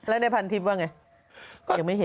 แล้วในพันทิพธิ์ว่าไง